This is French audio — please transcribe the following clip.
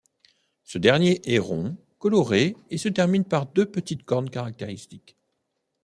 Ce dernier est rond, coloré et se termine par deux petites cornes caractéristiques.